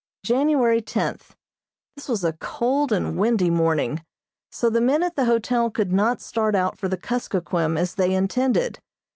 January tenth: This was a cold and windy morning, so the men at the hotel could not start out for the Kuskokquim as they intended.